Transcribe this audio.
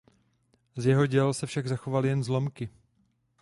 Z jeho děl se však zachovaly jen zlomky.